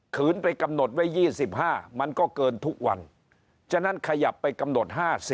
ไปกำหนดไว้๒๕มันก็เกินทุกวันฉะนั้นขยับไปกำหนด๕๐